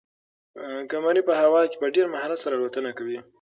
قمري په هوا کې په ډېر مهارت سره الوتنه کوي.